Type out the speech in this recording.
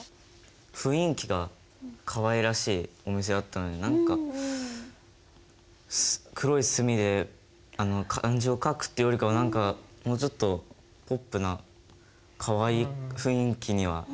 雰囲気がかわいらしいお店だったので黒い墨で漢字を書くっていうよりかは何かもうちょっとポップなかわいい雰囲気にはしたいと思ってます。